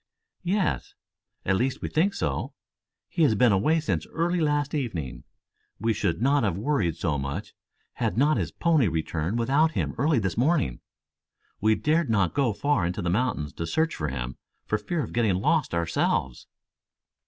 "Yes. At least we think so. He has been away since early last evening. We should not have worried so much had not his pony returned without him early this morning. We dared not go far into the mountains to search for him for fear of getting lost ourselves."